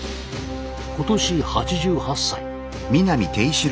今年８８歳。